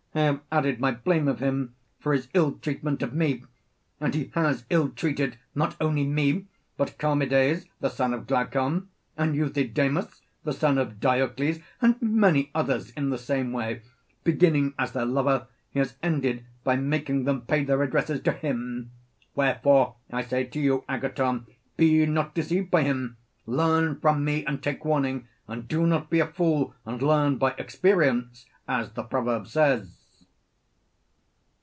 I have added my blame of him for his ill treatment of me; and he has ill treated not only me, but Charmides the son of Glaucon, and Euthydemus the son of Diocles, and many others in the same way beginning as their lover he has ended by making them pay their addresses to him. Wherefore I say to you, Agathon, 'Be not deceived by him; learn from me and take warning, and do not be a fool and learn by experience, as the proverb says.'